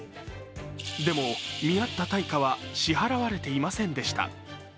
でも、見合った対価は支払われていませんでした。